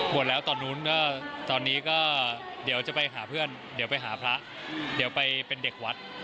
แล้วตอนนู้นก็ตอนนี้ก็เดี๋ยวจะไปหาเพื่อนเดี๋ยวไปหาพระเดี๋ยวไปเป็นเด็กวัด